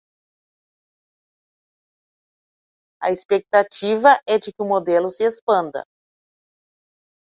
A expectativa é de que o modelo se expanda